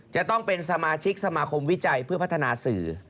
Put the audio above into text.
จะต้องเป็นสมาชิกสมาคมวิจัยเพื่อพัฒนาสื่อ